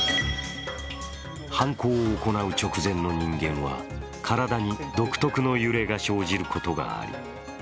犯行を行う直前の人間は、体に独特の揺れが生じることがある。